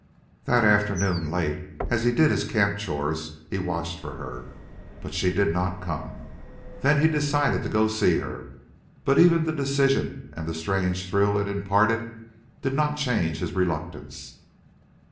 That afternoon late, as he did his camp chores, he watched for her. But she did not come. Then he decided to go to see her. But even the decision and the strange thrill it imparted did not change his reluctance.